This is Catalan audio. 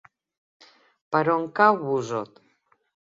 Per on cau Busot?